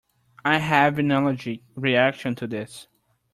I have an allergic reaction to this.